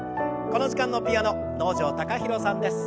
この時間のピアノ能條貴大さんです。